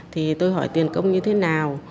thì tôi hỏi tiền công như thế nào